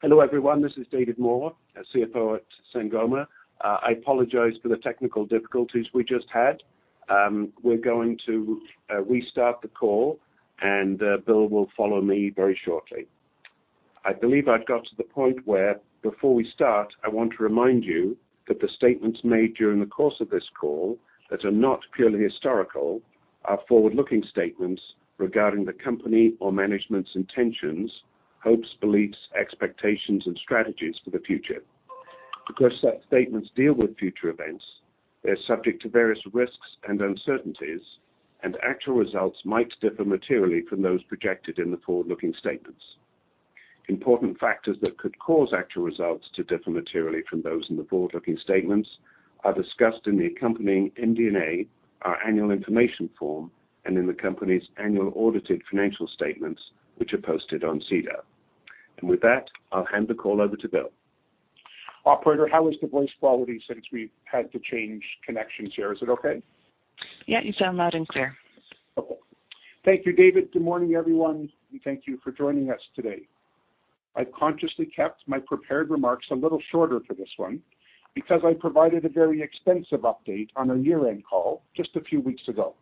Hello, everyone. This is David Moore, Chief Financial Officer at Sangoma. I apologize for the technical difficulties we just had. We're going to restart the call and Bill will follow me very shortly. I believe I've got to the point where before we start, I want to remind you that the statements made during the course of this call that are not purely historical are forward-looking statements regarding the company or management's intentions, hopes, beliefs, expectations and strategies for the future. Because such statements deal with future events, they are subject to various risks and uncertainties, and actual results might differ materially from those projected in the forward-looking statements. Important factors that could cause actual results to differ materially from those in the forward-looking statements are discussed in the accompanying MD&A, our annual information form, and in the company's annual audited financial statements, which are posted on SEDAR. With that, I'll hand the call over to Bill Wignall. Operator, how is the voice quality since we've had to change connections here? Is it okay? Yeah, you sound loud and clear. Okay. Thank you, David Moore. Good morning, everyone, and thank you for joining us today. I consciously kept my prepared remarks a little shorter for this one because I provided a very extensive update on our year-end call just a few weeks ago.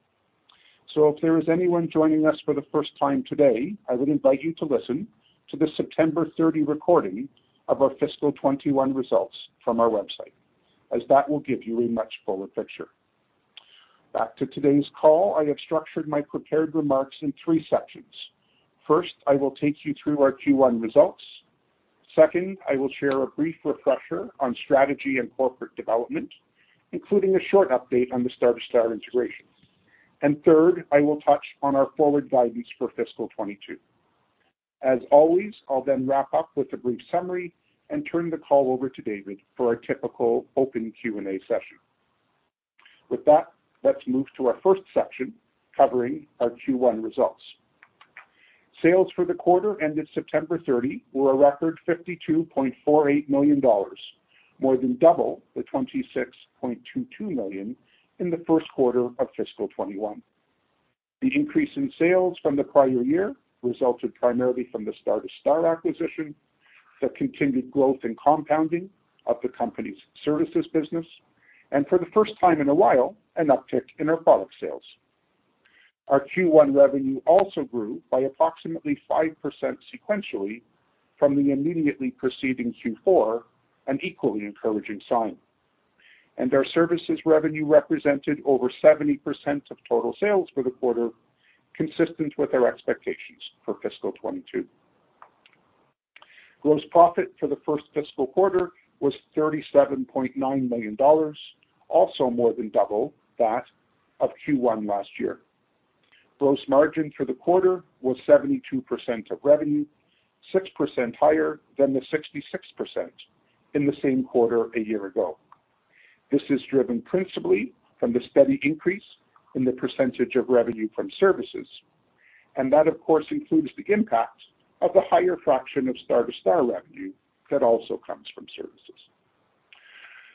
If there is anyone joining us for the first time today, I would invite you to listen to the September 30 recording of our fiscal 2021 results from our website, as that will give you a much fuller picture. Back to today's call. I have structured my prepared remarks in three sections. First, I will take you through our Q1 results. Second, I will share a brief refresher on strategy and corporate development, including a short update on the Star2Star integration. Third, I will touch on our forward guidance for fiscal 2022. As always, I'll then wrap up with a brief summary and turn the call over to David Moore for our typical open Q&A session. With that, let's move to our first section covering our Q1 results. Sales for the quarter ended September 30 were a record $52.48 million, more than double the $26.22 million in the first quarter of fiscal 2021. The increase in sales from the prior year resulted primarily from the Star2Star acquisition, the continued growth and compounding of the company's services business. For the first time in a while, an uptick in our product sales. Our Q1 revenue also grew by approximately 5% sequentially from the immediately preceding Q4, an equally encouraging sign. Our services revenue represented over 70% of total sales for the quarter, consistent with our expectations for fiscal 2022. Gross profit for the first fiscal quarter was $37.9 million, also more than double that of Q1 last year. Gross margin for the quarter was 72% of revenue, 6% higher than the 66% in the same quarter a year ago. This is driven principally from the steady increase in the percentage of revenue from services, and that of course, includes the impact of the higher fraction of Star2Star revenue that also comes from services.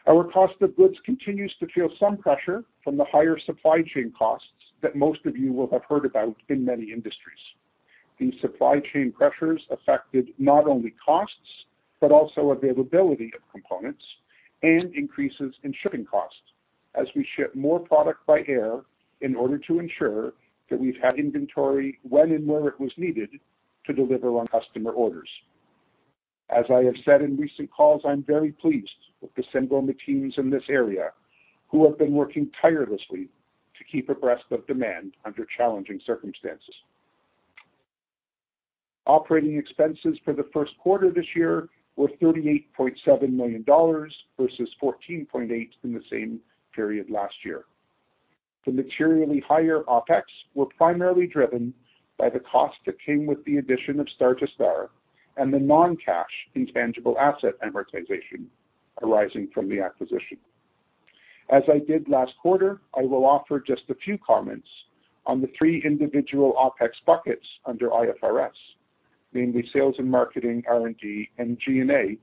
Our cost of goods continues to feel some pressure from the higher supply chain costs that most of you will have heard about in many industries. These supply chain pressures affected not only costs, but also availability of components and increases in shipping costs as we ship more product by air in order to ensure that we've had inventory when and where it was needed to deliver on customer orders. As I have said in recent calls, I'm very pleased with the Sangoma teams in this area who have been working tirelessly to keep abreast of demand under challenging circumstances. Operating expenses for the first quarter this year were $38.7 million versus $14.8 million in the same period last year. The materially higher OpEx were primarily driven by the cost that came with the addition of Star2Star and the non-cash intangible asset amortization arising from the acquisition. As I did last quarter, I will offer just a few comments on the three individual OpEx buckets under IFRS, namely sales and marketing, R&D, and G&A,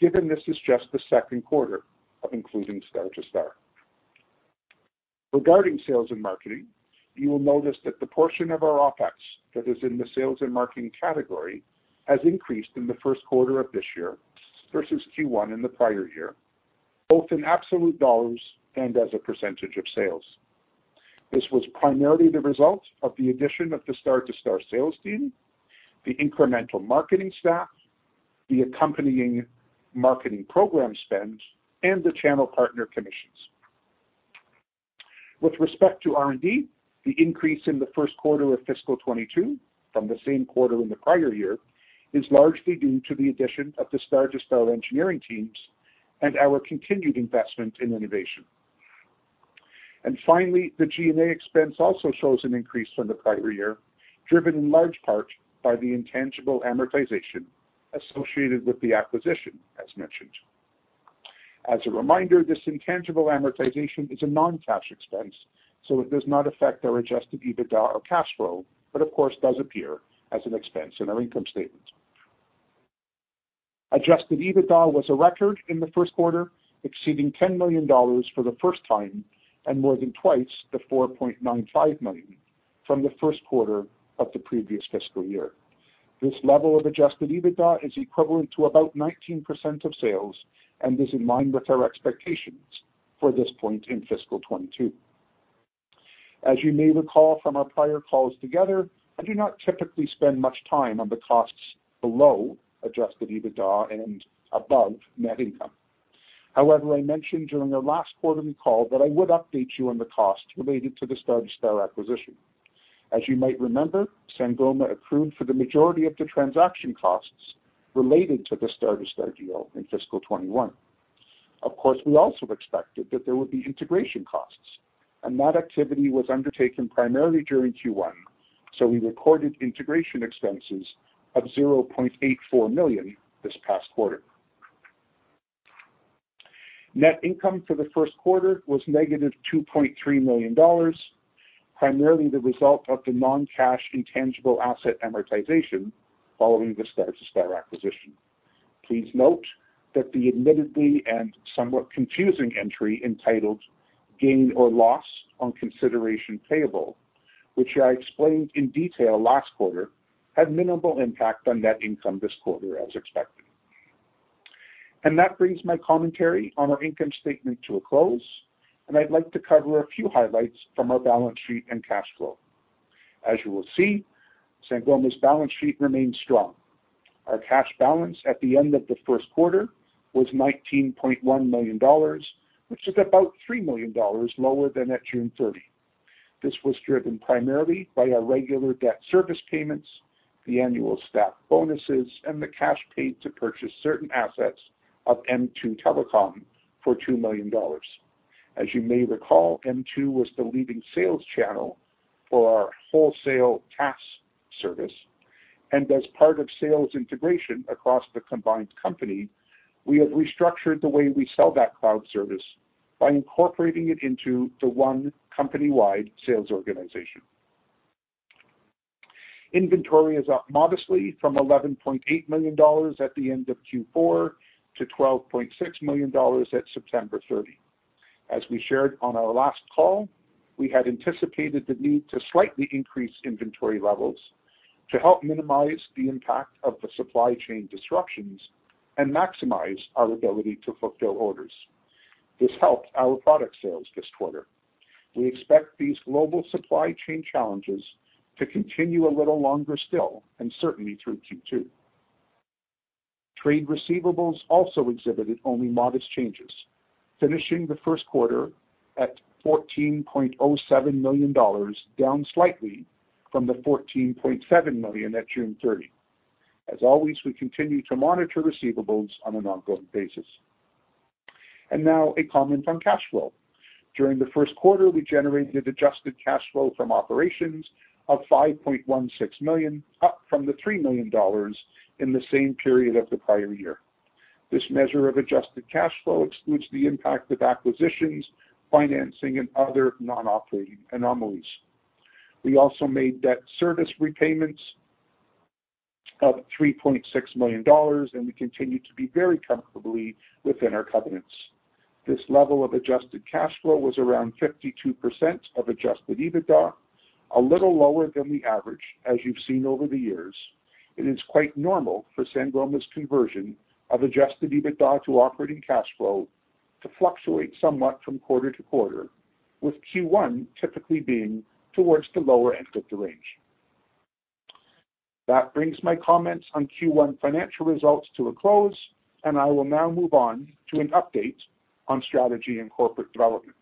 given this is just the second quarter of including Star2Star. Regarding sales and marketing, you will notice that the portion of our OpEx that is in the sales and marketing category has increased in the first quarter of this year versus Q1 in the prior year, both in absolute dollars and as a percentage of sales. This was primarily the result of the addition of the Star2Star sales team, the incremental marketing staff, the accompanying marketing program spend, and the channel partner commissions. With respect to R&D, the increase in the first quarter of fiscal 2022 from the same quarter in the prior year is largely due to the addition of the Star2Star engineering teams and our continued investment in innovation. Finally, the G&A expense also shows an increase from the prior year, driven in large part by the intangible amortization associated with the acquisition as mentioned. As a reminder, this intangible amortization is a non-cash expense, so it does not affect our adjusted EBITDA or cash flow, but of course does appear as an expense in our income statement. Adjusted EBITDA was a record in the first quarter, exceeding $10 million for the first time and more than twice the $4.95 million from the first quarter of the previous fiscal year. This level of adjusted EBITDA is equivalent to about 19% of sales and is in line with our expectations for this point in fiscal 2022. As you may recall from our prior calls together, I do not typically spend much time on the costs below adjusted EBITDA and above net income. However, I mentioned during our last quarterly call that I would update you on the cost related to the Star2Star acquisition. As you might remember, Sangoma accrued for the majority of the transaction costs related to the Star2Star deal in fiscal 2021. Of course, we also expected that there would be integration costs, and that activity was undertaken primarily during Q1, so we recorded integration expenses of $0.84 million this past quarter. Net income for the first quarter was $-2.3 million, primarily the result of the non-cash intangible asset amortization following the Star2Star acquisition. Please note that the admittedly and somewhat confusing entry entitled, Gain or Loss on Consideration Payable, which I explained in detail last quarter, had minimal impact on net income this quarter as expected. That brings my commentary on our income statement to a close, and I'd like to cover a few highlights from our balance sheet and cash flow. As you will see, Sangoma's balance sheet remains strong. Our cash balance at the end of the first quarter was $19.1 million, which is about $3 million lower than at June 30. This was driven primarily by our regular debt service payments, the annual staff bonuses, and the cash paid to purchase certain assets of M2 Telecom for $2 million. As you may recall, M2 was the leading sales channel for our wholesale TaaS service, and as part of sales integration across the combined company, we have restructured the way we sell that cloud service by incorporating it into the one company-wide sales organization. Inventory is up modestly from $11.8 million at the end of Q4 to $12.6 million at September 30. As we shared on our last call, we had anticipated the need to slightly increase inventory levels to help minimize the impact of the supply chain disruptions and maximize our ability to fulfill orders. This helped our product sales this quarter. We expect these global supply chain challenges to continue a little longer still and certainly through Q2. Trade receivables also exhibited only modest changes, finishing the first quarter at $14.07 million, down slightly from the $14.7 million at June 30. As always, we continue to monitor receivables on an ongoing basis. Now a comment on cash flow. During the first quarter, we generated adjusted cash flow from operations of $5.16 million, up from the $3 million in the same period of the prior year. This measure of adjusted cash flow excludes the impact of acquisitions, financing, and other non-operating anomalies. We also made debt service repayments of $3.6 million, and we continue to be very comfortably within our covenants. This level of adjusted cash flow was around 52% of adjusted EBITDA, a little lower than the average as you've seen over the years. It is quite normal for Sangoma's conversion of adjusted EBITDA to operating cash flow to fluctuate somewhat from quarter to quarter, with Q1 typically being towards the lower end of the range. That brings my comments on Q1 financial results to a close, and I will now move on to an update on strategy and corporate development.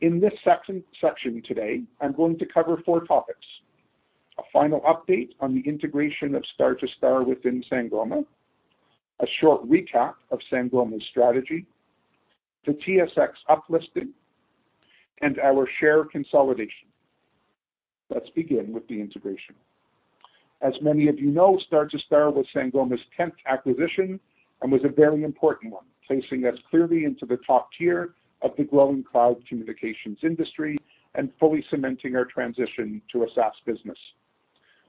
In this section today, I'm going to cover four topics, a final update on the integration of Star2Star within Sangoma, a short recap of Sangoma's strategy, the TSX uplisting, and our share consolidation. Let's begin with the integration. As many of you know, Star2Star was Sangoma's tenth acquisition and was a very important one, placing us clearly into the top tier of the growing cloud communications industry and fully cementing our transition to a SaaS business.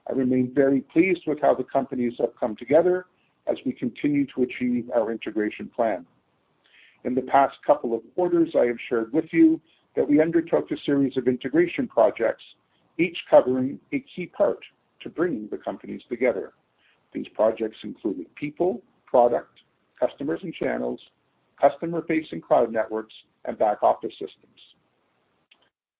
I remain very pleased with how the companies have come together as we continue to achieve our integration plan. In the past couple of quarters, I have shared with you that we undertook a series of integration projects, each covering a key part to bringing the companies together. These projects included people, product, customers and channels, customer-facing cloud networks, and back-office systems.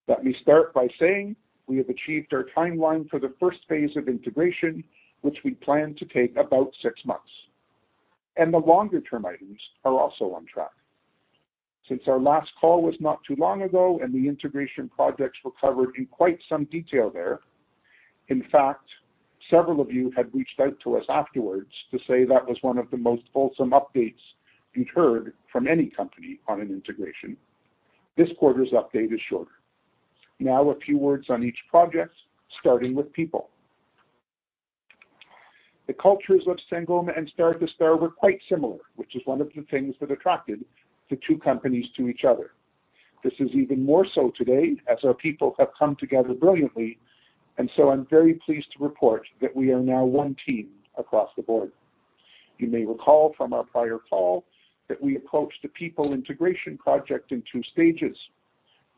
Let me start by saying we have achieved our timeline for the first phase of integration, which we plan to take about six months, and the longer-term items are also on track. Since our last call was not too long ago and the integration projects were covered in quite some detail there, in fact, several of you had reached out to us afterwards to say that was one of the most wholesome updates you'd heard from any company on an integration. This quarter's update is shorter. Now, a few words on each project, starting with people. The cultures of Sangoma and Star2Star were quite similar, which is one of the things that attracted the two companies to each other. This is even more so today as our people have come together brilliantly, and so I'm very pleased to report that we are now one team across the board. You may recall from our prior call that we approached the people integration project in two stages.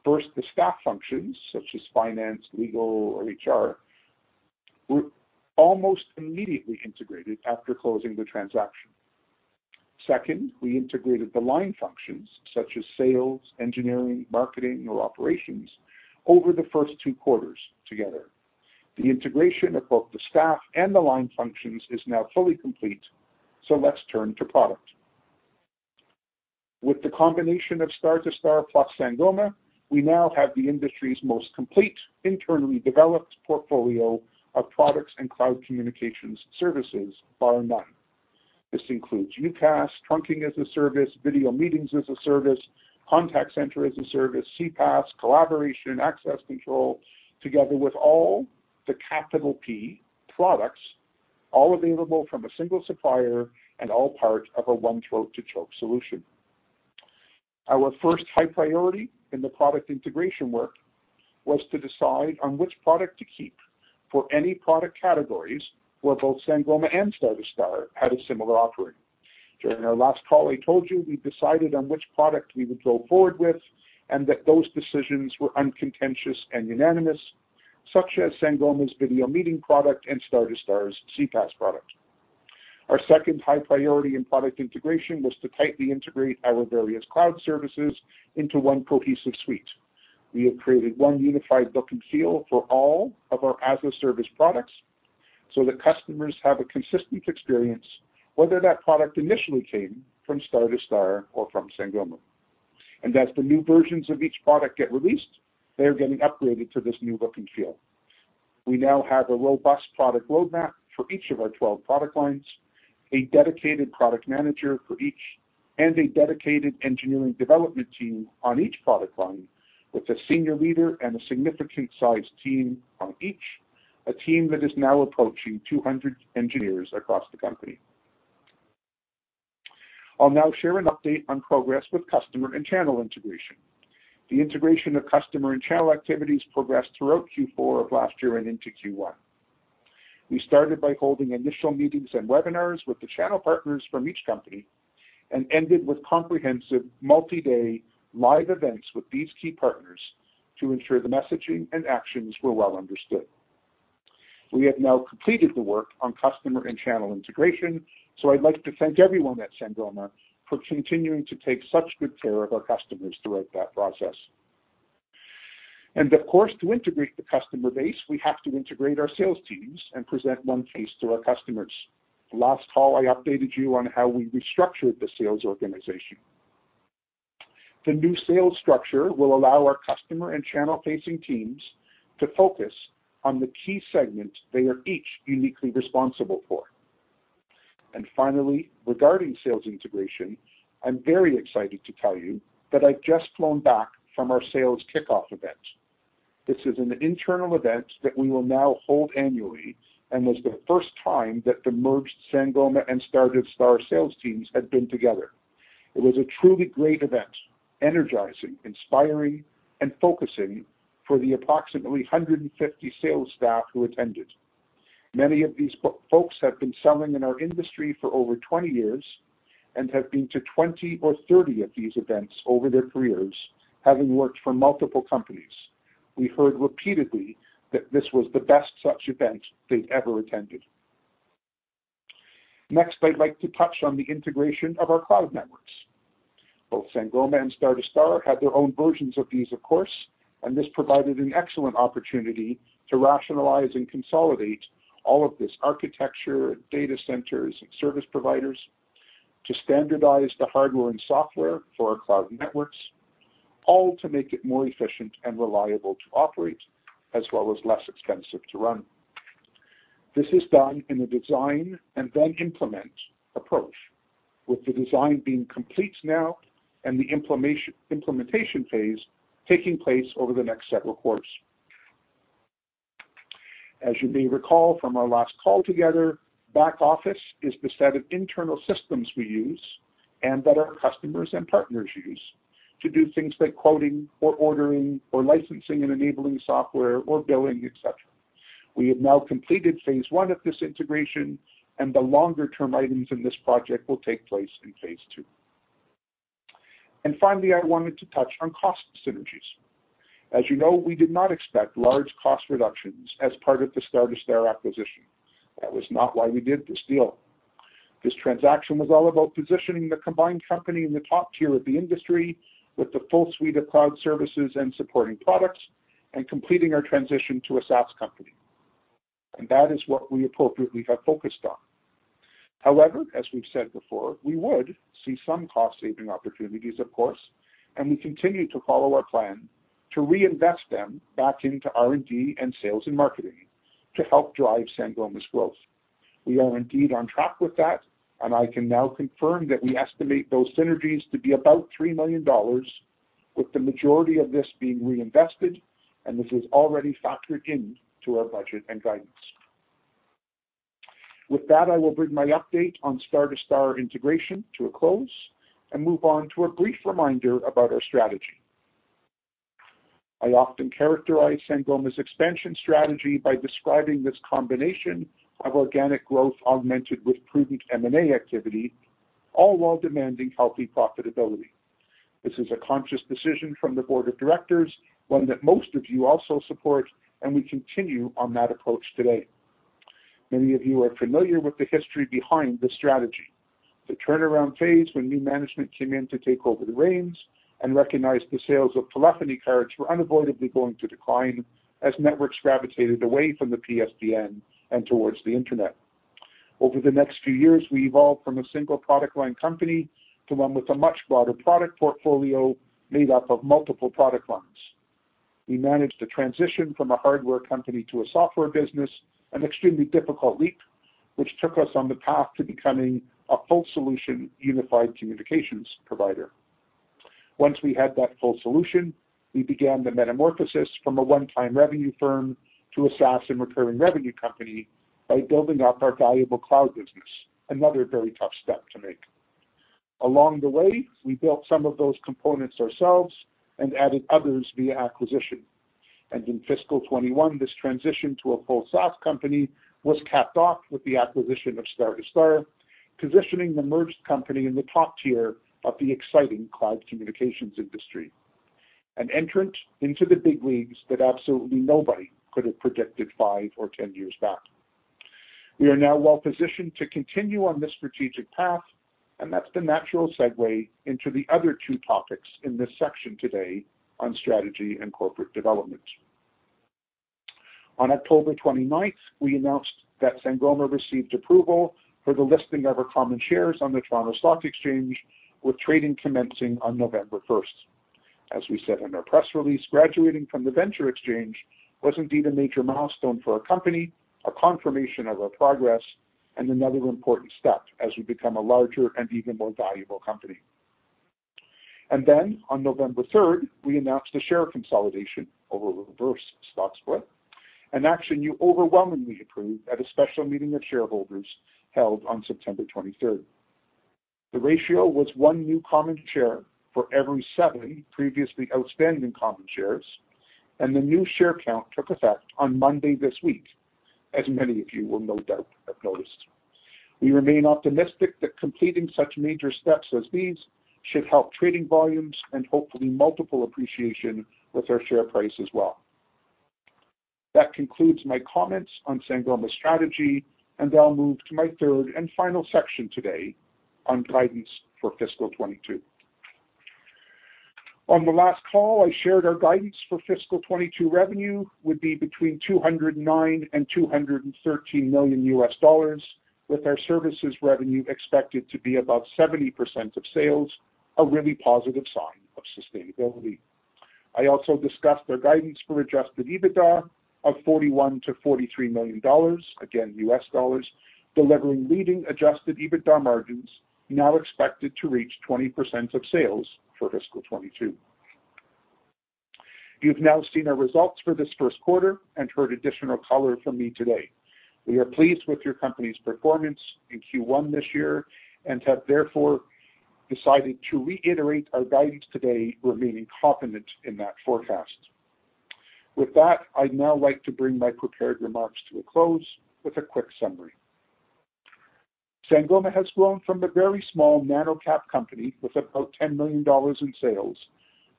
First, the staff functions such as finance, legal, or HR were almost immediately integrated after closing the transaction. Second, we integrated the line functions such as sales, engineering, marketing, or operations over the first two quarters together. The integration of both the staff and the line functions is now fully complete, so let's turn to product. With the combination of Star2Star plus Sangoma, we now have the industry's most complete internally developed portfolio of products and cloud communications services bar none. This includes UCaaS, Trunking as a Service, Video Meetings as a Service, Contact Center as a Service, CPaaS, collaboration, access control, together with all the PBX products, all available from a single supplier and all part of a one throat to choke solution. Our first high priority in the product integration work was to decide on which product to keep for any product categories where both Sangoma and Star2Star had a similar offering. During our last call, I told you we decided on which product we would go forward with and that those decisions were uncontentious and unanimous, such as Sangoma's video meeting product and Star2Star's CPaaS product. Our second high priority in product integration was to tightly integrate our various cloud services into one cohesive suite. We have created one unified look and feel for all of our as a service products so that customers have a consistent experience, whether that product initially came from Star2Star or from Sangoma. As the new versions of each product get released, they are getting upgraded to this new look and feel. We now have a robust product roadmap for each of our 12 product lines, a dedicated product manager for each, and a dedicated engineering development team on each product line with a senior leader and a significant size team on each, a team that is now approaching 200 engineers across the company. I'll now share an update on progress with customer and channel integration. The integration of customer and channel activities progressed throughout Q4 of last year and into Q1. We started by holding initial meetings and webinars with the channel partners from each company and ended with comprehensive multi-day live events with these key partners to ensure the messaging and actions were well understood. We have now completed the work on customer and channel integration, so I'd like to thank everyone at Sangoma for continuing to take such good care of our customers throughout that process. Of course, to integrate the customer base, we have to integrate our sales teams and present one face to our customers. On the last call I updated you on how we restructured the sales organization. The new sales structure will allow our customer and channel-facing teams to focus on the key segment they are each uniquely responsible for. Finally, regarding sales integration, I'm very excited to tell you that I've just flown back from our sales kickoff event. This is an internal event that we will now hold annually and was the first time that the merged Sangoma and Star2Star sales teams had been together. It was a truly great event, energizing, inspiring, and focusing for the approximately 150 sales staff who attended. Many of these folks have been selling in our industry for over 20 years and have been to 20 or 30 of these events over their careers, having worked for multiple companies. We heard repeatedly that this was the best such event they'd ever attended. Next, I'd like to touch on the integration of our cloud networks. Both Sangoma and Star2Star had their own versions of these, of course, and this provided an excellent opportunity to rationalize and consolidate all of this architecture, data centers, and service providers to standardize the hardware and software for our cloud networks, all to make it more efficient and reliable to operate, as well as less expensive to run. This is done in a design and then implement approach, with the design being complete now and the implementation phase taking place over the next several quarters. As you may recall from our last call together, back office is the set of internal systems we use and that our customers and partners use to do things like quoting or ordering or licensing and enabling software or billing, et cetera. We have now completed phase I of this integration, and the longer-term items in this project will take place in phase II. Finally, I wanted to touch on cost synergies. As you know, we did not expect large cost reductions as part of the Star2Star acquisition. That was not why we did this deal. This transaction was all about positioning the combined company in the top tier of the industry with the full suite of cloud services and supporting products, and completing our transition to a SaaS company. That is what we appropriately have focused on. However, as we've said before, we would see some cost-saving opportunities, of course, and we continue to follow our plan to reinvest them back into R&D and sales and marketing to help drive Sangoma's growth. We are indeed on track with that, and I can now confirm that we estimate those synergies to be about $3 million, with the majority of this being reinvested, and this is already factored in to our budget and guidance. With that, I will bring my update on Star2Star integration to a close and move on to a brief reminder about our strategy. I often characterize Sangoma's expansion strategy by describing this combination of organic growth augmented with prudent M&A activity, all while demanding healthy profitability. This is a conscious decision from the board of directors, one that most of you also support, and we continue on that approach today. Many of you are familiar with the history behind the strategy. The turnaround phase when new management came in to take over the reins and recognized the sales of telephony cards were unavoidably going to decline as networks gravitated away from the PSTN and towards the Internet. Over the next few years, we evolved from a single product line company to one with a much broader product portfolio made up of multiple product lines. We managed to transition from a hardware company to a software business, an extremely difficult leap, which took us on the path to becoming a full solution unified communications provider. Once we had that full solution, we began the metamorphosis from a one-time revenue firm to a SaaS and recurring revenue company by building up our valuable cloud business, another very tough step to make. Along the way, we built some of those components ourselves and added others via acquisition. In fiscal 2021, this transition to a full SaaS company was capped off with the acquisition of Star2Star, positioning the merged company in the top tier of the exciting cloud communications industry, an entrant into the big leagues that absolutely nobody could have predicted five or 10 years back. We are now well-positioned to continue on this strategic path, and that's the natural segue into the other two topics in this section today on strategy and corporate development. On October 29, we announced that Sangoma received approval for the listing of our common shares on the Toronto Stock Exchange, with trading commencing on November 1. As we said in our press release, graduating from the Venture Exchange was indeed a major milestone for our company, a confirmation of our progress, and another important step as we become a larger and even more valuable company. On November third, we announced a share consolidation of a reverse stock split, an action you overwhelmingly approved at a special meeting of shareholders held on September twenty-third. The ratio was 1 new common share for every seven previously outstanding common shares, and the new share count took effect on Monday this week, as many of you will no doubt have noticed. We remain optimistic that completing such major steps as these should help trading volumes and hopefully multiple appreciation with our share price as well. That concludes my comments on Sangoma strategy, and I'll move to my third and final section today on guidance for fiscal 2022. On the last call, I shared our guidance for fiscal 2022 revenue would be between $209 million and $213 million, with our services revenue expected to be about 70% of sales, a really positive sign of sustainability. I also discussed our guidance for adjusted EBITDA of $41 million-$43 million, again United States dollars, delivering leading adjusted EBITDA margins now expected to reach 20% of sales for fiscal 2022. You've now seen our results for this first quarter and heard additional color from me today. We are pleased with your company's performance in Q1 this year and have therefore decided to reiterate our guidance today, remaining confident in that forecast. With that, I'd now like to bring my prepared remarks to a close with a quick summary. Sangoma has grown from a very small nano cap company with about $10 million in sales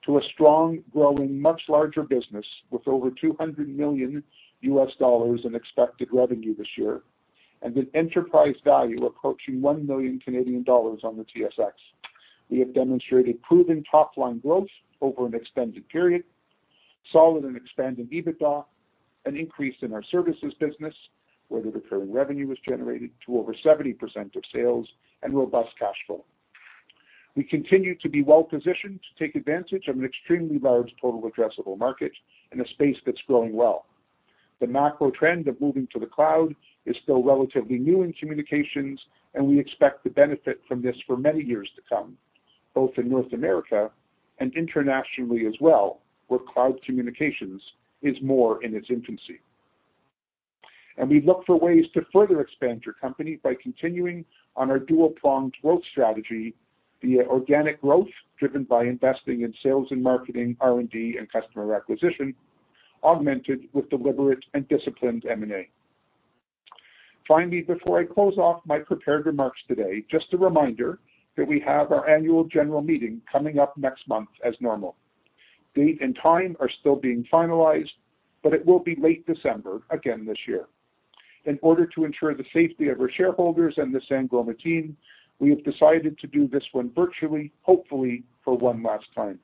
to a strong, growing, much larger business with over $200 million in expected revenue this year and an enterprise value approaching 1 million Canadian dollars on the TSX. We have demonstrated proven top-line growth over an extended period, solid and expanding EBITDA, an increase in our services business, where the recurring revenue was generated to over 70% of sales and robust cash flow. We continue to be well-positioned to take advantage of an extremely large total addressable market in a space that's growing well. The macro trend of moving to the cloud is still relatively new in communications, and we expect to benefit from this for many years to come, both in North America and internationally as well, where cloud communications is more in its infancy. We look for ways to further expand your company by continuing on our dual-pronged growth strategy via organic growth driven by investing in sales and marketing, R&D, and customer acquisition, augmented with deliberate and disciplined M&A. Finally, before I close off my prepared remarks today, just a reminder that we have our annual general meeting coming up next month as normal. Date and time are still being finalized, but it will be late December again this year. In order to ensure the safety of our shareholders and the Sangoma team, we have decided to do this one virtually, hopefully for one last time.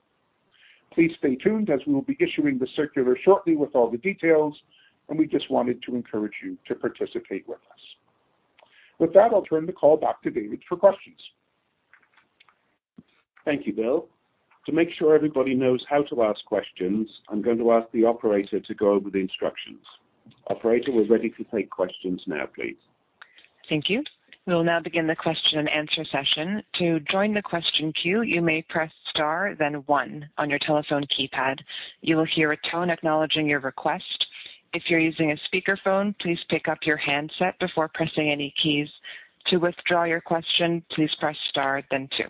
Please stay tuned as we will be issuing the circular shortly with all the details, and we just wanted to encourage you to participate with us. With that, I'll turn the call back to David for questions. Thank you, Bill Wignall. To make sure everybody knows how to ask questions, I'm going to ask the operator to go over the instructions. Operator, we're ready to take questions now, please. Thank you. We will now begin the question and answer session. To join the question queue, you may press star then one on your telephone keypad. You will hear a tone acknowledging your request. If you're using a speakerphone, please pick up your handset before pressing any keys. To withdraw your question, please press star then two.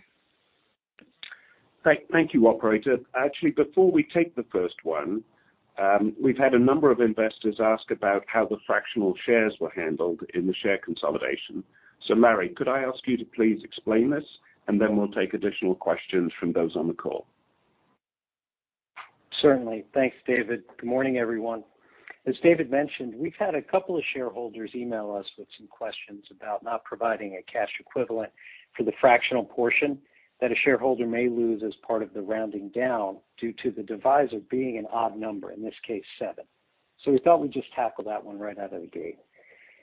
Great. Thank you, operator. Actually, before we take the first one, we've had a number of investors ask about how the fractional shares were handled in the share consolidation. Larry Stock, could I ask you to please explain this and then we'll take additional questions from those on the call? Certainly. Thanks, David Moore. Good morning, everyone. As David Moore mentioned, we've had a couple of shareholders email us with some questions about not providing a cash equivalent for the fractional portion that a shareholder may lose as part of the rounding down due to the divisor being an odd number, in this case, seven. We thought we'd just tackle that one right out of the gate.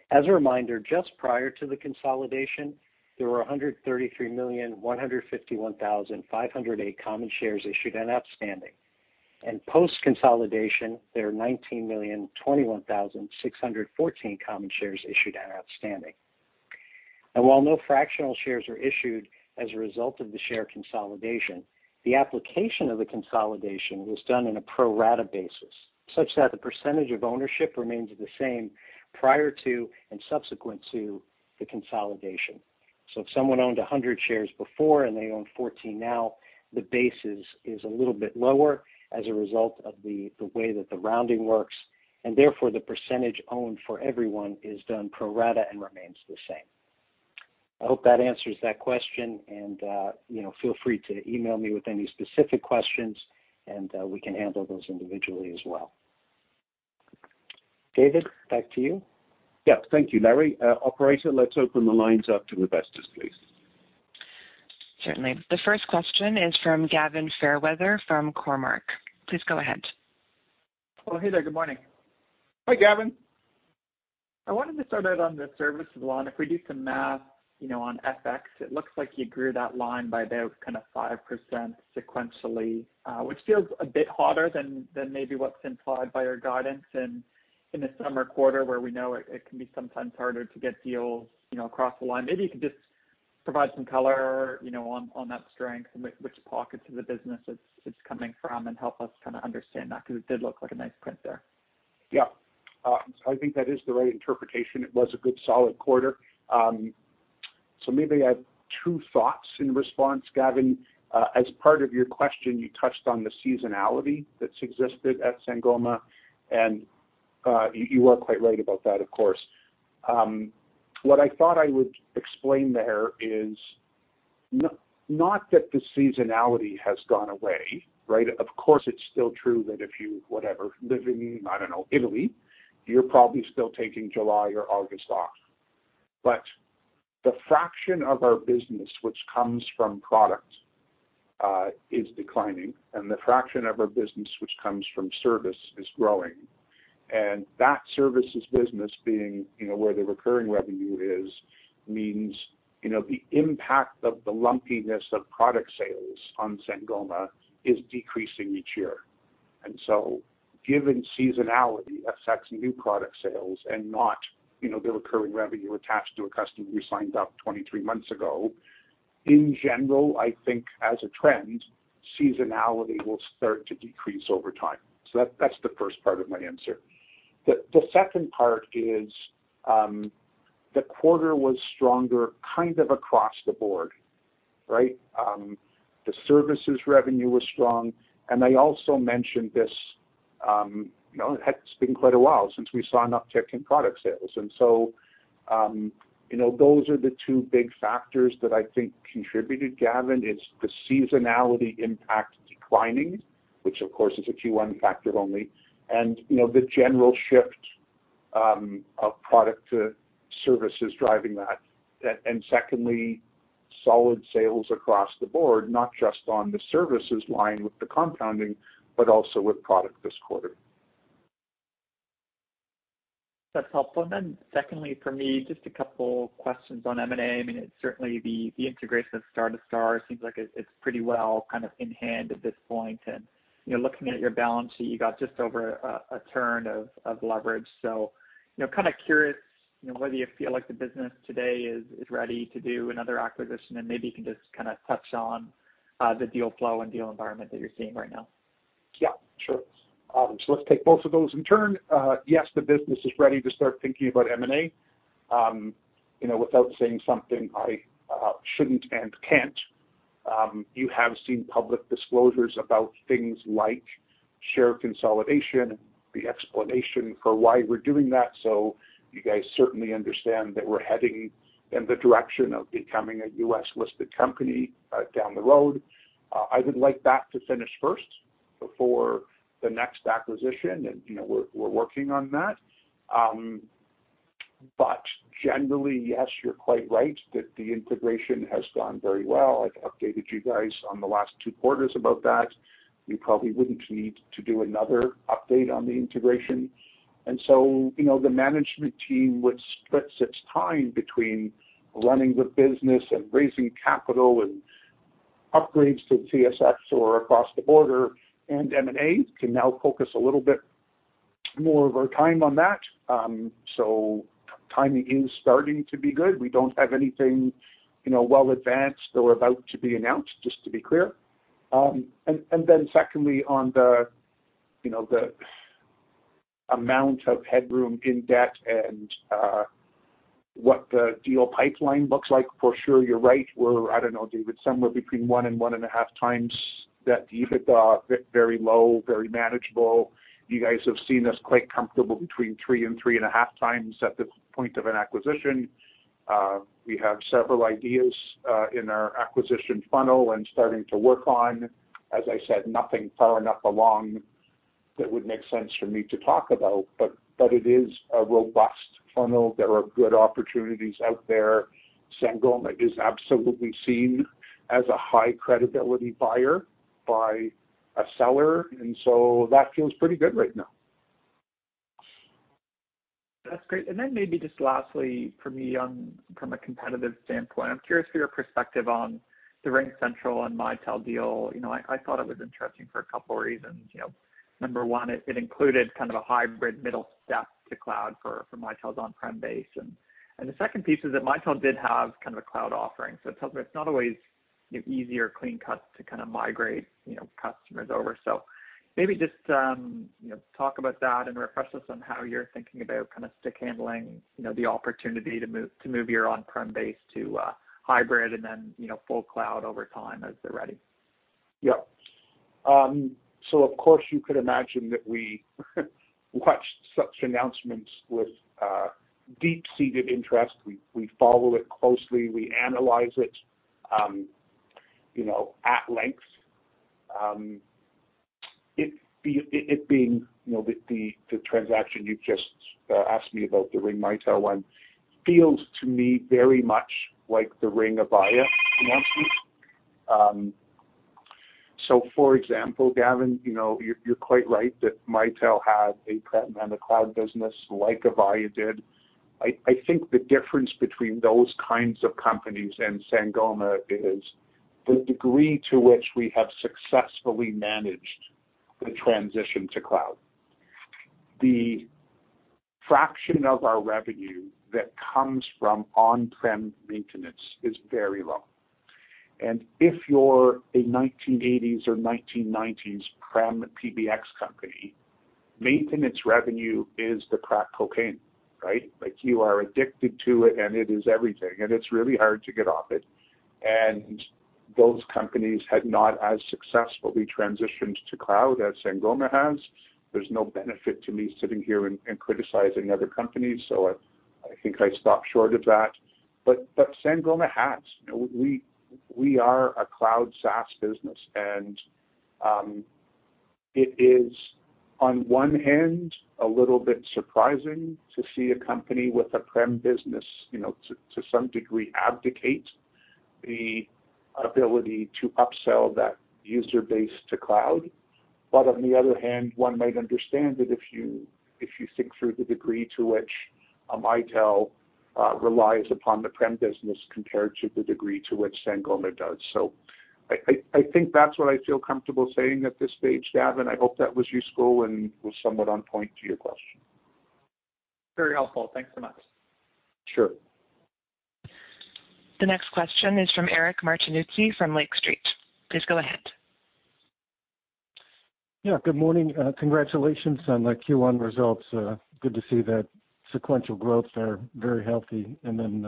As a reminder, just prior to the consolidation, there were 133,151,508 common shares issued and outstanding. Post consolidation, there are 19,021,614 common shares issued and outstanding. While no fractional shares are issued as a result of the share consolidation, the application of the consolidation was done on a pro rata basis, such that the percentage of ownership remains the same prior to and subsequent to the consolidation. If someone owned 100 shares before and they own 14 now, the base is a little bit lower as a result of the way that the rounding works, and therefore the percentage owned for everyone is done pro rata and remains the same. I hope that answers that question, and you know, feel free to email me with any specific questions, and we can handle those individually as well. David Moore, back to you. Yeah. Thank you, Larry Stock. Operator, let's open the lines up to investors, please. Certainly. The first question is from Gavin Fairweather from Cormark, please go ahead. Oh, hey there. Good morning? Hi, Gavin Fairweather. I wanted to start out on the service line. If we do some math, you know, on FX, it looks like you grew that line by about kind of 5% sequentially, which feels a bit hotter than maybe what's implied by your guidance in the summer quarter, where we know it can be sometimes harder to get deals, you know, across the line. Maybe you could just provide some color, you know, on that strength and which pockets of the business it's coming from and help us kinda understand that because it did look like a nice print there. Yeah. I think that is the right interpretation. It was a good solid quarter. So maybe I have two thoughts in response, Gavin Fairweather. As part of your question, you touched on the seasonality that's existed at Sangoma, and you are quite right about that, of course. What I thought I would explain there is not that the seasonality has gone away, right? Of course, it's still true that if you, whatever, live in, I don't know, Italy, you're probably still taking July or August off. But the fraction of our business which comes from product is declining, and the fraction of our business which comes from service is growing. That services business being, you know, where the recurring revenue is means, you know, the impact of the lumpiness of product sales on Sangoma is decreasing each year. Given seasonality affects new product sales and not, you know, the recurring revenue attached to a customer you signed up 23 months ago, in general, I think as a trend, seasonality will start to decrease over time. That's the first part of my answer. The second part is, the quarter was stronger kind of across the board, right? The services revenue was strong, and I also mentioned this, you know, it has been quite a while since we saw an uptick in product sales. You know, those are the two big factors that I think contributed, Gavin. It's the seasonality impact declining, which of course is a Q1 factor only, and, you know, the general shift, of product to services driving that. Secondly, solid sales across the board, not just on the services line with the compounding, but also with product this quarter. That's helpful. Then secondly, for me, just a couple questions on M&A. I mean, it's certainly the integration of Star2Star seems like it's pretty well kind of in hand at this point. You know, looking at your balance sheet, you got just over a turn of leverage. You know, kind of curious, you know, whether you feel like the business today is ready to do another acquisition, and maybe you can just kinda touch on the deal flow and deal environment that you're seeing right now. Yeah, sure. Let's take both of those in turn. Yes, the business is ready to start thinking about M&A. You know, without saying something I shouldn't and can't, you have seen public disclosures about things like share consolidation, the explanation for why we're doing that. You guys certainly understand that we're heading in the direction of becoming a U.S.-listed company down the road. I would like that to finish first before the next acquisition. You know, we're working on that. Generally, yes, you're quite right that the integration has gone very well. I've updated you guys on the last two quarters about that. We probably wouldn't need to do another update on the integration. You know, the management team, which splits its time between running the business and raising capital and upgrades to TSX or across the border and M&A, can now focus a little bit more of our time on that. Timing is starting to be good. We don't have anything, you know, well advanced or about to be announced, just to be clear. Secondly, on the you know the amount of headroom in debt and what the deal pipeline looks like for sure, you're right. We're, I don't know, David, somewhere between 1x and 1.5x that EBITDA, very low, very manageable. You guys have seen us quite comfortable between 3x and 3.5x at the point of an acquisition. We have several ideas in our acquisition funnel and starting to work on. As I said, nothing far enough along that would make sense for me to talk about, but it is a robust funnel. There are good opportunities out there. Sangoma is absolutely seen as a high credibility buyer by a seller, and so that feels pretty good right now. That's great. Maybe just lastly for me on from a competitive standpoint, I'm curious for your perspective on the RingCentral and Mitel deal. You know, I thought it was interesting for a couple reasons. You know, number one, it included kind of a hybrid middle step to cloud for Mitel's on-prem base. The second piece is that Mitel did have kind of a cloud offering. It's not always, you know, easy or clean cut to kind of migrate, you know, customers over. Maybe just, you know, talk about that and refresh us on how you're thinking about kind of stick handling, you know, the opportunity to move your on-prem base to hybrid and then, you know, full cloud over time as they're ready. Yeah. So of course, you could imagine that we watch such announcements with deep-seated interest. We follow it closely, we analyze it, you know, at length. It being, you know, the transaction you just asked me about, the RingCentral-Mitel one, feels to me very much like the RingCentral-Avaya announcement. For example, Gavin, you know, you're quite right that Mitel had an on-prem and a cloud business like Avaya did. I think the difference between those kinds of companies and Sangoma is the degree to which we have successfully managed the transition to cloud. The fraction of our revenue that comes from on-prem maintenance is very low. If you're a 1980s or 1990s on-prem PBX company, maintenance revenue is the crack cocaine, right? Like you are addicted to it, and it is everything, and it's really hard to get off it. Those companies had not as successfully transitioned to cloud as Sangoma has. There's no benefit to me sitting here and criticizing other companies, so I think I stop short of that. Sangoma has. You know, we are a cloud SaaS business and it is on one end, a little bit surprising to see a company with a prem business, you know, to some degree, abdicate the ability to upsell that user base to cloud. On the other hand, one might understand it if you think through the degree to which Mitel relies upon the prem business compared to the degree to which Sangoma does. I think that's what I feel comfortable saying at this stage, Gavin. I hope that was useful and was somewhat on point to your question. Very helpful. Thanks so much. Sure. The next question is from Eric Martinuzzi from Lake Street, please go ahead. Yeah, good morning. Congratulations on the Q1 results. Good to see that sequential growths are very healthy and then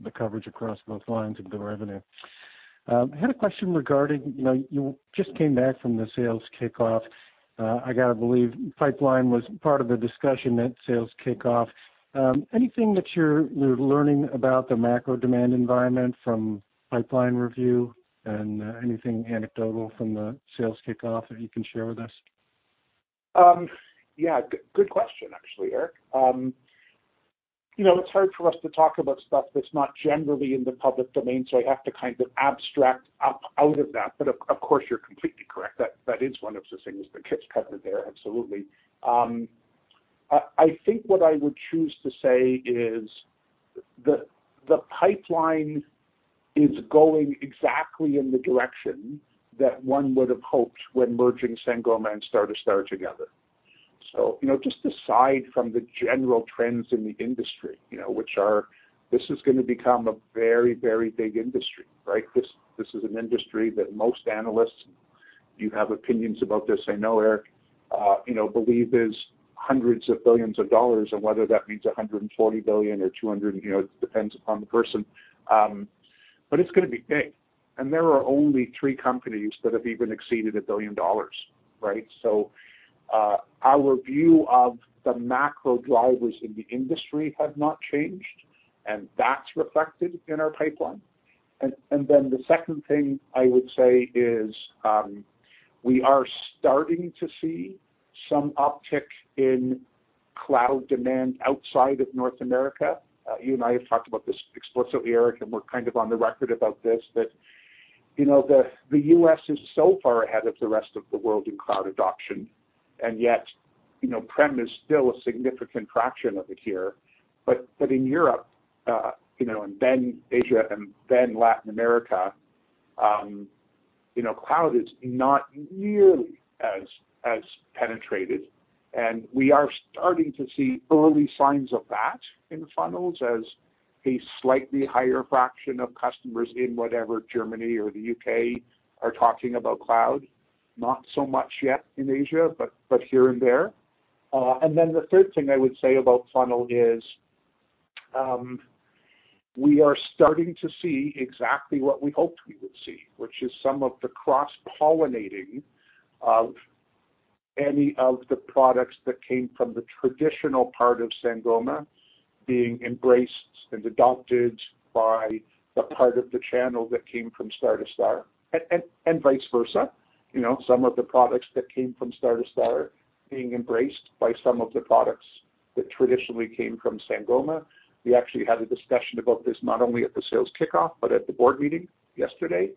the coverage across both lines of the revenue. Had a question regarding, you know, you just came back from the sales kickoff. I gotta believe pipeline was part of the discussion at sales kickoff. Anything that you're learning about the macro demand environment from pipeline review and anything anecdotal from the sales kickoff that you can share with us? Yeah. Good question actually, Eric. You know, it's hard for us to talk about stuff that's not generally in the public domain, so I have to kind of abstract up out of that. Of course, you're completely correct. That is one of the things that gets covered there. Absolutely. I think what I would choose to say is the pipeline is going exactly in the direction that one would've hoped when merging Sangoma and Star2Star together. You know, just aside from the general trends in the industry, you know, which are, this is gonna become a very, very big industry, right? This is an industry that most analysts, you have opinions about this I know, Eric, you know, believe is hundreds of billions of dollars, and whether that means $140 billion or $200 billion, you know, it depends upon the person. It's gonna be big. There are only three companies that have even exceeded $1 billion, right? Our view of the macro drivers in the industry have not changed, and that's reflected in our pipeline. Then the second thing I would say is, we are starting to see some uptick in cloud demand outside of North America. You and I have talked about this explicitly, Eric, and we're kind of on the record about this, that, you know, the U.S. is so far ahead of the rest of the world in cloud adoption, and yet, you know, prem is still a significant fraction of it here. In Europe, you know, and then Asia and then Latin America, you know, cloud is not nearly as penetrated. We are starting to see early signs of that in the funnels as a slightly higher fraction of customers in whatever Germany or the U.K. are talking about cloud. Not so much yet in Asia, but here and there. The third thing I would say about funnel is we are starting to see exactly what we hoped we would see, which is some of the cross-pollinating of any of the products that came from the traditional part of Sangoma being embraced and adopted by the part of the channel that came from Star2Star, and vice versa. You know, some of the products that came from Star2Star being embraced by some of the products that traditionally came from Sangoma. We actually had a discussion about this not only at the sales kickoff but at the board meeting yesterday.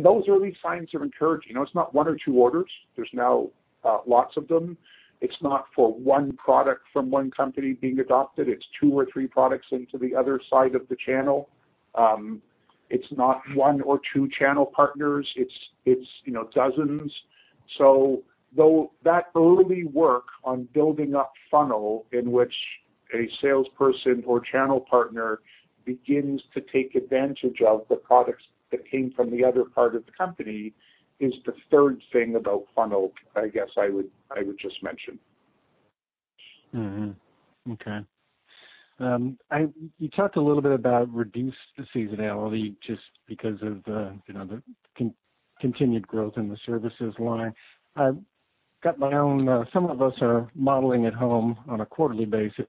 Those early signs are encouraging. You know, it's not one or two orders. There's now lots of them. It's not for one product from one company being adopted. It's two or three products into the other side of the channel. It's not one or two channel partners. It's you know, dozens. Though that early work on building up funnel in which a salesperson or channel partner begins to take advantage of the products that came from the other part of the company is the third thing about funnel, I guess I would just mention. You talked a little bit about reduced seasonality just because of the, you know, the continued growth in the services line. I've got my own, some of us are modeling at home on a quarterly basis,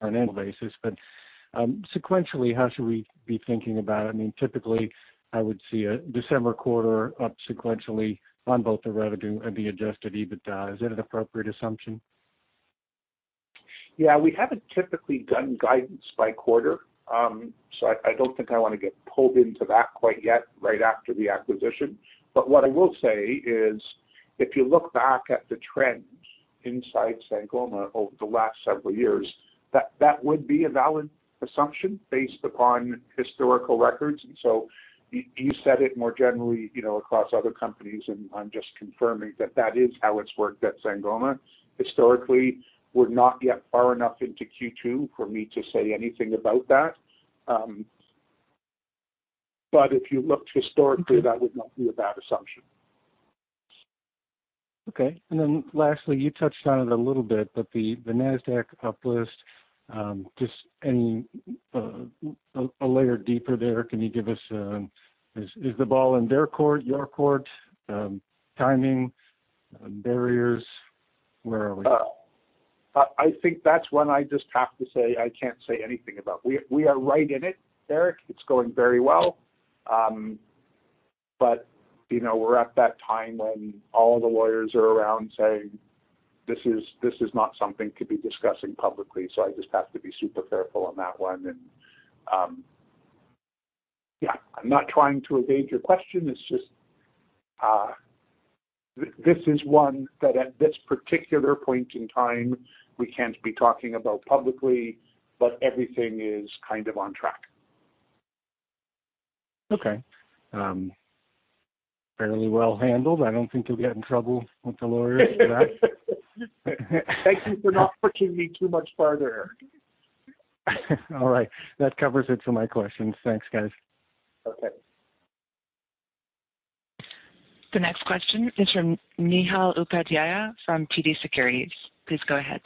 on an annual basis. Sequentially, how should we be thinking about it? I mean, typically, I would see a December quarter up sequentially on both the revenue and the adjusted EBITDA. Is it an appropriate assumption? Yeah. We haven't typically done guidance by quarter. I don't think I wanna get pulled into that quite yet right after the acquisition. What I will say is, if you look back at the trends inside Sangoma over the last several years, that would be a valid assumption based upon historical records. You said it more generally, you know, across other companies, and I'm just confirming that that is how it's worked at Sangoma historically. We're not yet far enough into Q2 for me to say anything about that. If you looked historically, that would not be a bad assumption. Okay. Lastly, you touched on it a little bit, but the Nasdaq uplist, just any a layer deeper there, can you give us? Is the ball in their court, your court? Timing, barriers, where are we? I think that's one I just have to say I can't say anything about. We are right in it, Eric. It's going very well. But, you know, we're at that time when all the lawyers are around saying, This is not something to be discussing publicly. I just have to be super careful on that one. Yeah, I'm not trying to evade your question. It's just, this is one that at this particular point in time, we can't be talking about publicly, but everything is kind of on track. Okay. Fairly well handled. I don't think you'll get in trouble with the lawyers for that. Thank you for not pushing me too much farther, Eric. All right. That covers it for my questions. Thanks, guys. Okay. The next question is from Nihal Upadhyaya from TD Securities, please go ahead.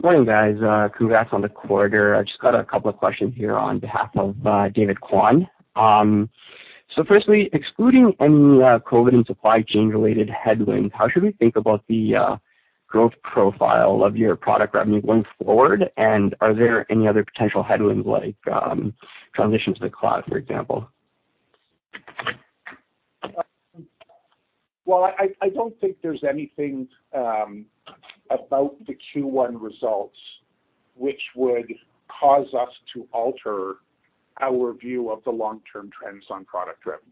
Morning, guys. Congrats on the quarter. I just got a couple of questions here on behalf of David Kwan. Firstly, excluding any COVID and supply chain related headwinds, how should we think about the growth profile of your product revenue going forward? Are there any other potential headwinds like transition to the cloud, for example? Well, I don't think there's anything about the Q1 results which would cause us to alter our view of the long-term trends on product revenue.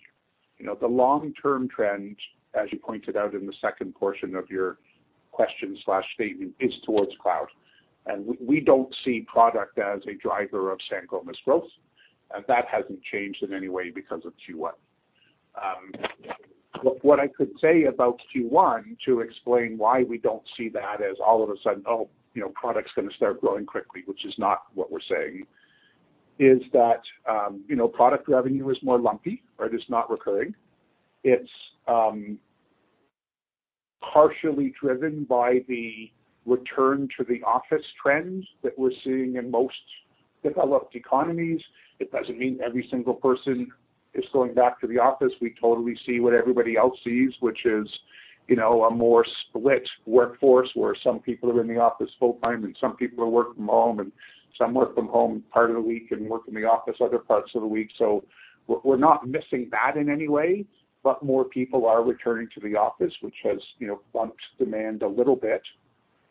You know, the long-term trend, as you pointed out in the second portion of your question/statement, is towards cloud. We don't see product as a driver of Sangoma's growth, and that hasn't changed in any way because of Q1. What I could say about Q1 to explain why we don't see that as all of a sudden, oh, you know, product's gonna start growing quickly, which is not what we're saying, is that, you know, product revenue is more lumpy, right? It's not recurring. It's partially driven by the return to the office trend that we're seeing in most developed economies. It doesn't mean every single person is going back to the office. We totally see what everybody else sees, which is, you know, a more split workforce where some people are in the office full time and some people work from home and some work from home part of the week and work in the office other parts of the week. We're not missing that in any way, but more people are returning to the office, which has, you know, bumped demand a little bit.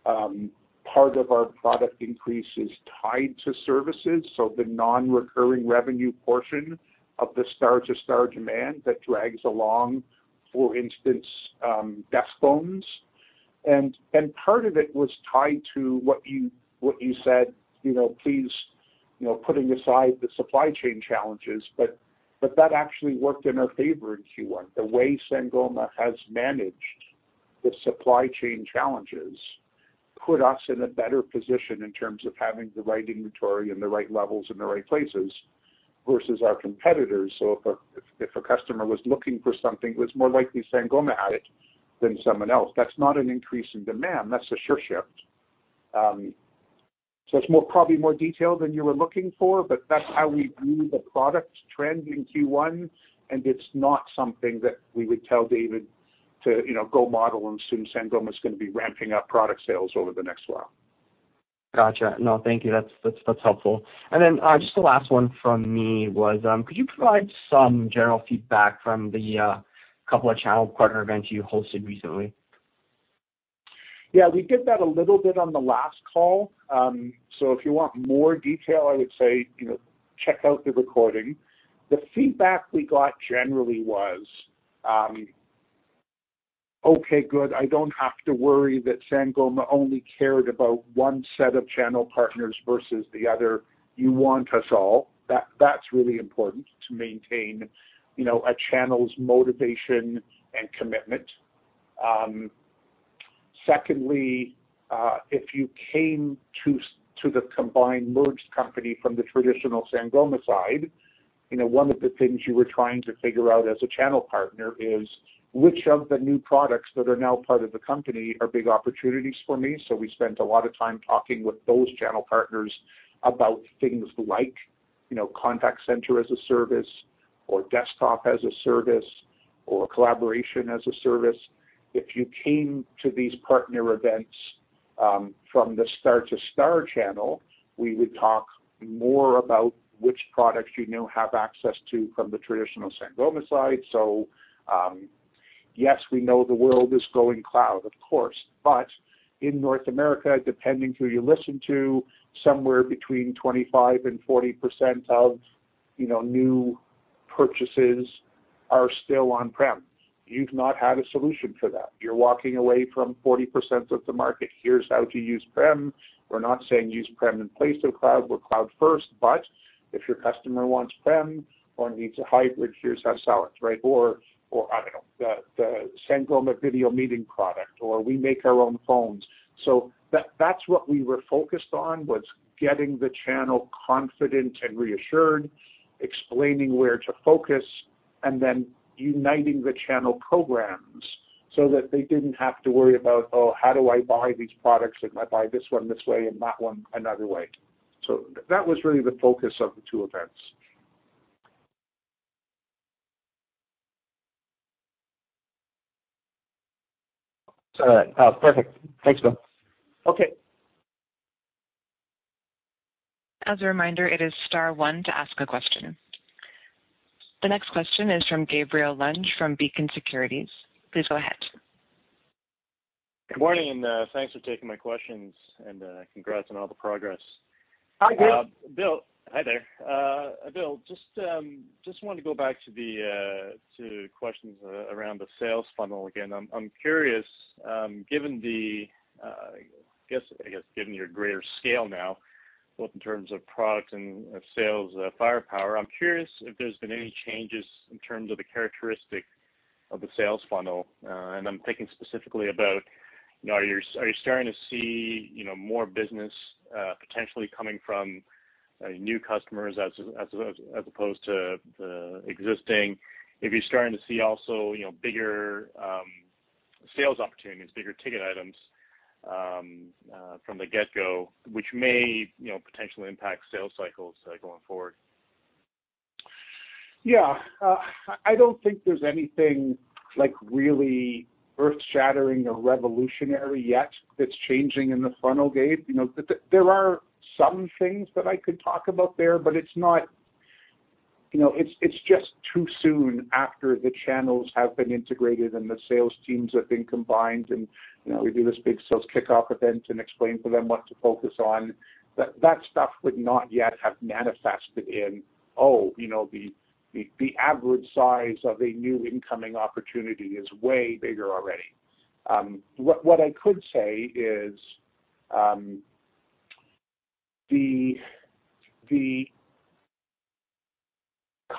Part of our product increase is tied to services, so the non-recurring revenue portion of the Star2Star demand that drags along, for instance, desk phones. Part of it was tied to what you said, you know, please, you know, putting aside the supply chain challenges, but that actually worked in our favor in Q1. The supply chain challenges put us in a better position in terms of having the right inventory in the right levels, in the right places versus our competitors. If a customer was looking for something, it was more likely Sangoma had it than someone else. That's not an increase in demand, that's a sure shift. It's probably more detailed than you were looking for, but that's how we view the product trend in Q1, and it's not something that we would tell David to, you know, go model them soon. Sangoma is gonna be ramping up product sales over the next while. Gotcha. No, thank you. That's helpful. Then just the last one from me was, could you provide some general feedback from the couple of channel partner events you hosted recently? Yeah, we did that a little bit on the last call. So if you want more detail, I would say, you know, check out the recording. The feedback we got generally was okay, good. I don't have to worry that Sangoma only cared about one set of channel partners versus the other. You want us all. That's really important to maintain, you know, a channel's motivation and commitment. Secondly, if you came to the combined merged company from the traditional Sangoma side, you know, one of the things you were trying to figure out as a channel partner is which of the new products that are now part of the company are big opportunities for me. We spent a lot of time talking with those channel partners about things like, you know, contact center as a service or desktop as a service, or collaboration as a service. If you came to these partner events from the Star2Star channel, we would talk more about which products you now have access to from the traditional Sangoma side. Yes, we know the world is going cloud, of course, but in North America, depending who you listen to, somewhere between 25% and 40% of, you know, new purchases are still on-prem. You've not had a solution for that. You're walking away from 40% of the market. Here's how to use prem. We're not saying use prem in place of cloud. We're cloud first, but if your customer wants prem or needs a hybrid, here's how to sell it, right? I don't know, the Sangoma video meeting product or we make our own phones. That's what we were focused on, was getting the channel confident and reassured, explaining where to focus and then uniting the channel programs so that they didn't have to worry about, oh, how do I buy these products? Like, do I buy this one this way and that one another way. That was really the focus of the two events. All right. Perfect. Thanks, Bill. Okay. As a reminder, it is star one to ask a question. The next question is from Gabriel Leung from Beacon Securities, please go ahead. Good morning, and thanks for taking my questions and congrats on all the progress. Hi, Gabriel. Bill. Hi there. Bill, just wanted to go back to the questions around the sales funnel again. I'm curious, given the, I guess, given your greater scale now, both in terms of product and sales firepower, I'm curious if there's been any changes in terms of the characteristic of the sales funnel. I'm thinking specifically about, you know, are you starting to see, you know, more business potentially coming from new customers as opposed to the existing? If you're starting to see also, you know, bigger sales opportunities, bigger ticket items from the get-go, which may, you know, potentially impact sales cycles going forward. Yeah. I don't think there's anything like really earth shattering or revolutionary yet that's changing in the funnel, Gabriel. You know, there are some things that I could talk about there, but it's not you know, it's just too soon after the channels have been integrated and the sales teams have been combined and you know, we do this big sales kickoff event and explain to them what to focus on. That stuff would not yet have manifested in the average size of a new incoming opportunity is way bigger already. What I could say is the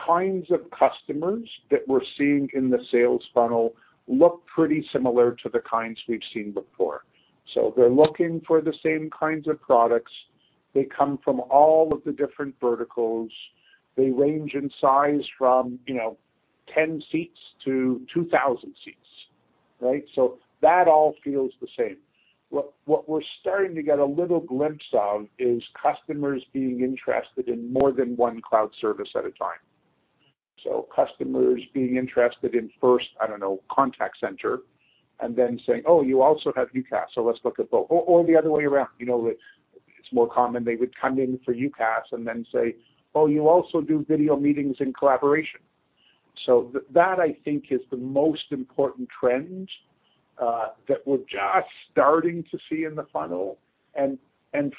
kinds of customers that we're seeing in the sales funnel look pretty similar to the kinds we've seen before. They're looking for the same kinds of products. They come from all of the different verticals. They range in size from, you know, 10 seats to 2,000 seats, right? That all feels the same. What we're starting to get a little glimpse of is customers being interested in more than one cloud service at a time. Customers being interested in first, I don't know, contact center and then saying, Oh, you also have UCaaS, so let's look at both. Or the other way around. You know, it's more common they would come in for UCaaS and then say, Oh, you also do video meetings and collaboration. That I think is the most important trend that we're just starting to see in the funnel.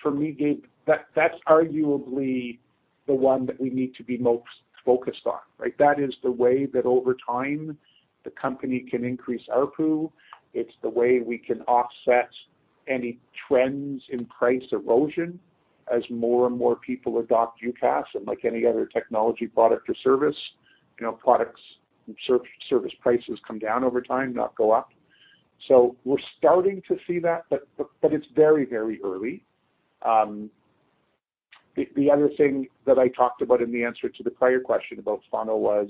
For me, Gabriel, that's arguably the one that we need to be most focused on, right? That is the way that over time the company can increase ARPU. It's the way we can offset any trends in price erosion as more and more people adopt UCaaS and like any other technology product or service. You know, products and service prices come down over time, not go up. We're starting to see that, but it's very early. The other thing that I talked about in the answer to the prior question about funnel was,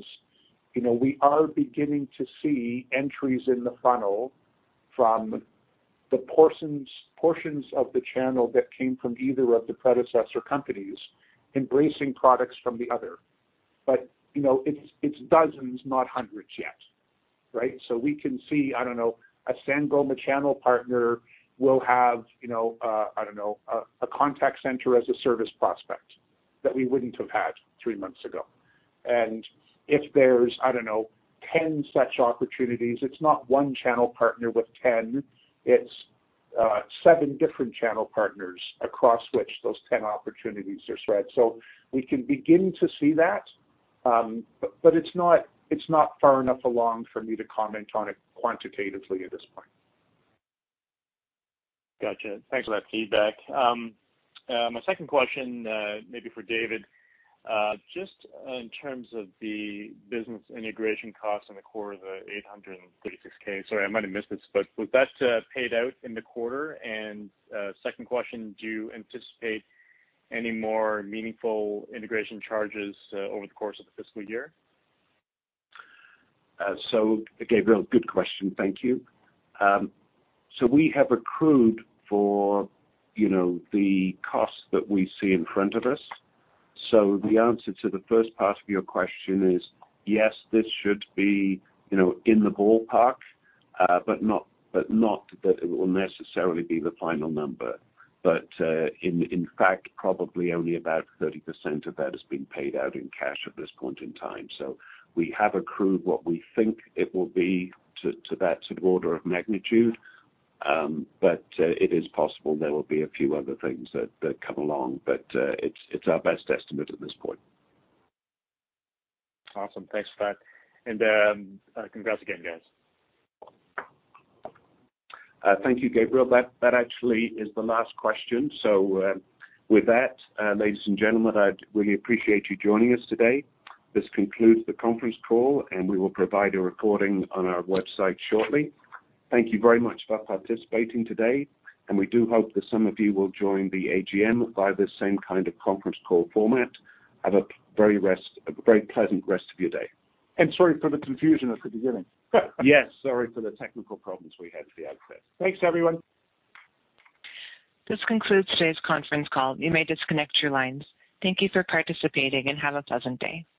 you know, we are beginning to see entries in the funnel from the portions of the channel that came from either of the predecessor companies embracing products from the other. You know, it's dozens, not hundreds yet, right? We can see, I don't know, a Sangoma channel partner will have, you know, I don't know, a Contact Center as a Service prospect that we wouldn't have had three months ago. If there's, I don't know, 10 such opportunities, it's not one channel partner with 10, it's seven different channel partners across which those 10 opportunities are spread. We can begin to see that, but it's not far enough along for me to comment on it quantitatively at this point. Gotcha. Thanks for that feedback. My second question, maybe for David, just in terms of the business integration costs in the Q4, the $836 thousand. Sorry, I might have missed it, but was that paid out in the quarter? Second question, do you anticipate any more meaningful integration charges over the course of the fiscal year? Gabriel, good question. Thank you. We have accrued for, you know, the costs that we see in front of us. The answer to the first part of your question is, yes, this should be, you know, in the ballpark, but not that it will necessarily be the final number. In fact, probably only about 30% of that has been paid out in cash at this point in time. We have accrued what we think it will be to that sort of order of magnitude. It is possible there will be a few other things that come along, but it's our best estimate at this point. Awesome. Thanks for that. Congrats again, guys. Thank you, Gabriel. That actually is the last question. With that, ladies and gentlemen, I really appreciate you joining us today. This concludes the conference call, and we will provide a recording on our website shortly. Thank you very much for participating today, and we do hope that some of you will join the AGM via this same kind of conference call format. Have a very pleasant rest of your day. Sorry for the confusion at the beginning. Yes, sorry for the technical problems we had at the outset. Thanks, everyone. This concludes today's conference call. You may disconnect your lines. Thank you for participating, and have a pleasant day.